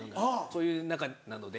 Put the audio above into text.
そういう仲なので。